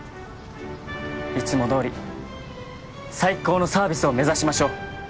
いつもどおり最高のサービスを目指しましょう！